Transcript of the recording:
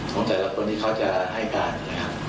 ของแต่ละคนที่เขาจะให้กาญ